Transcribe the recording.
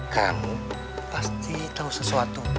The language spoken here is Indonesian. kamu pasti tahu sesuatu